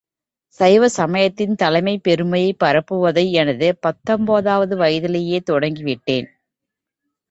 சைவ சமயத்தின் தலைமைப் பெருமையைப் பரப்புவதை எனது பத்தொன்பதாவது வயதிலேயே தொடங்கிவிட்டேன்.